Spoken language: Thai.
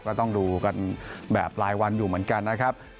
ก็ต้องดูกันแบบรายวันอยู่เหมือนกันนะครับ